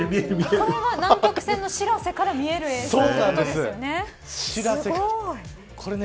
これは南極船のしらせから見える映像なんですね。